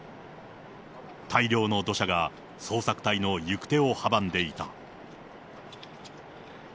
大量の土砂が、捜索隊の行く手を阻んでいた。